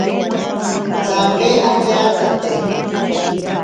Tsame añatsate.